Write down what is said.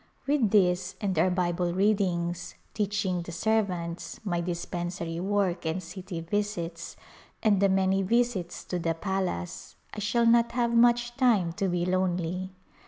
With these and our Bible readings, teaching the serv ants, my dispensary work and city visits, and the A Glimpse of India many visits to the palace I shall not have much time to be lonely.